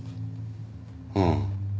うん。